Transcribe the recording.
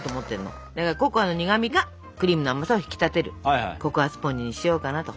ココアの苦みがクリームの甘さを引き立てるココアスポンジにしようかなと。